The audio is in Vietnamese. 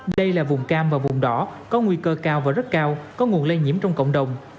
đây là vùng cam và vùng đỏ có nguy cơ cao và rất cao có nguồn lây nhiễm trong cộng đồng